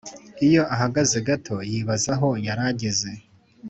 iyo ahagaze gato, yibaza aho yari ageze.